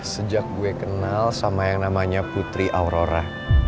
sejak gue kenal sama yang namanya putri aurora